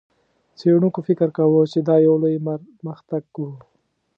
څېړونکو فکر کاوه، چې دا یو لوی پرمختګ و.